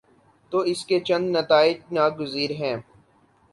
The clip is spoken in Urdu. تو اس کے چند نتائج ناگزیر ہیں۔